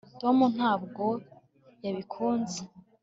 tom ntabwo yabikunze